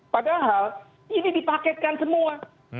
padahal ini dipaketkan semua